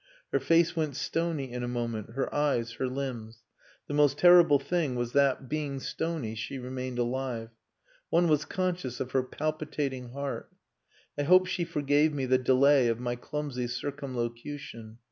Her face went stony in a moment her eyes her limbs. The most terrible thing was that being stony she remained alive. One was conscious of her palpitating heart. I hope she forgave me the delay of my clumsy circumlocution.